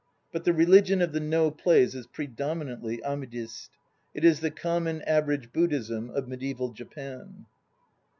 But the religion of the No plays is predominantly Amidist; it is the common, average Buddhism of medieval Japan.